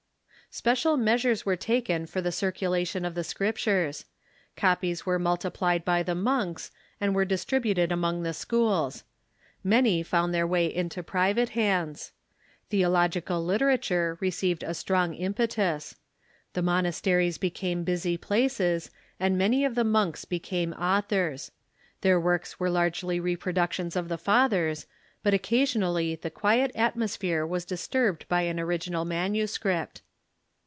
Special measures were taken for the cii'culation of the Script ures. Copies were multiplied by the monks, and Avere distrib uted among the schools. Many found their Avay the Scriptures ^^^^ private hands. Theological literature received a strong impetus. The monasteries became busy places, and nianj^ of the monks became authors. Their works were largely reproductions of the Fathers, but occasionally the quiet atmosphere was disturbed by an original manuscript.